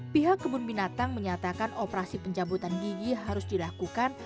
pihak kebun binatang menyatakan operasi pencabutan gigi harus dilakukan